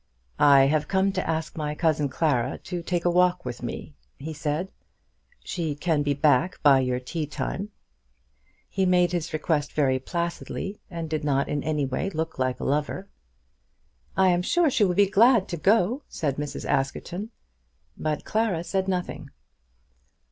"I have come to ask my cousin Clara to take a walk with me," he said. "She can be back by your tea time." He made his request very placidly, and did not in any way look like a lover. "I am sure she will be glad to go," said Mrs. Askerton. But Clara said nothing.